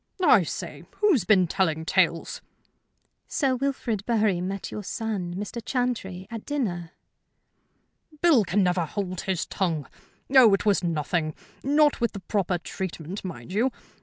"I say! Who's been telling tales?" "Sir Wilfrid Bury met your son, Mr. Chantrey, at dinner." "Bill can never hold his tongue. Oh, it was nothing; not with the proper treatment, mind you.